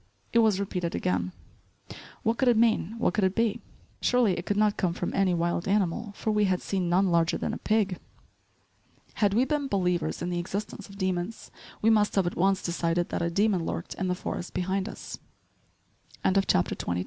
It was repeated again; what could it mean, what could it be? Surely it could not come from any wild animal for we had seen none larger than a pig. Had we been believers in the existence of demons, we must have at once decided that a demon lurked in the forest behind us. *CHAPTER XXIII.